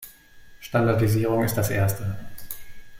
Standardisierung ist das erste.